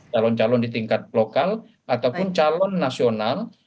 calon calon di tingkat lokal ataupun calon nasional